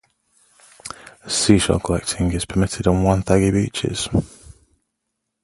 Seashell collecting is permitted on Wonthaggi Beaches.